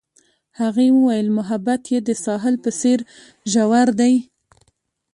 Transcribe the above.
هغې وویل محبت یې د ساحل په څېر ژور دی.